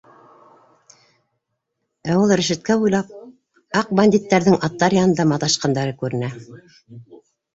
Ә ул рәшәткә буйлап аҡ бандиттарҙың аттар янында маташҡандары күренә.